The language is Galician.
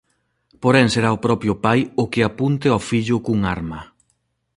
Porén será o propio pai o que apunte ao fillo cun arma.